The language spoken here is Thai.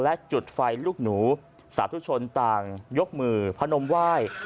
และจุดไฟลูกหนูสาธุชนต่างยกมือพนมไหว้